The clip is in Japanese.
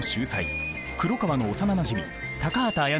黒川の幼なじみ高畑あ